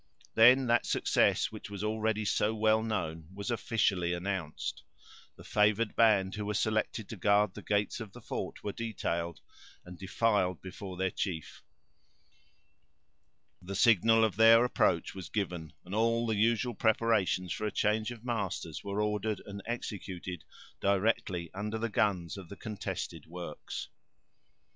Then that success, which was already so well known, was officially announced; the favored band who were selected to guard the gates of the fort were detailed, and defiled before their chief; the signal of their approach was given, and all the usual preparations for a change of masters were ordered and executed directly under the guns of the contested works.